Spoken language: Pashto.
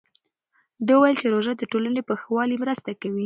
ده وویل چې روژه د ټولنې په ښه والي مرسته کوي.